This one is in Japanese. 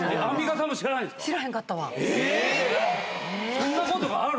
そんなことがある？